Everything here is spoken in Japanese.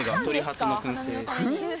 くん製？